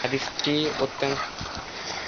এ হাদীসটি অত্যন্ত গরীব পর্যায়ের।